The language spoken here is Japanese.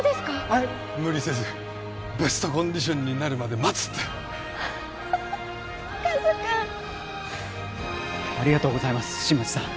はい無理せずベストコンディションになるまで待つってカズ君ありがとうございます新町さん